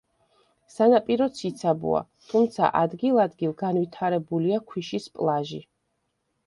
სანაპირო ციცაბოა, თუმცა ადგილ-ადგილ განვითარებულია ქვიშის პლაჟი.